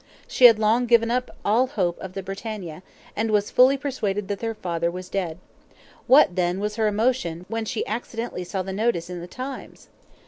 She had long given up all hope of the BRITANNIA, and was fully persuaded that her father was dead. What, then, was her emotion when she accidentally saw the notice in the TIMES!